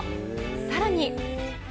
さらに。